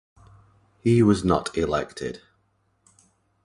He was not elected.